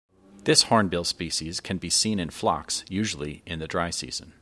This hornbill species can be seen in flocks, usually in the dry season.